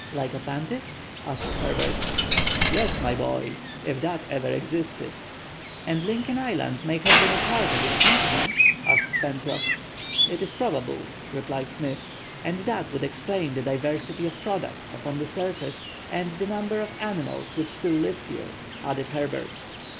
"Like Atlantis?" asked Herbert. "Yes. my boy, if that ever existed." "And Lincoln Island may have been a part of this continent?" asked Pencroff. "It is probable," replied Smith. "And that would explain the diversity of products upon the surface, and the number of animals which still live here," added Herbert.